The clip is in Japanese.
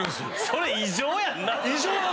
それ異常やんな。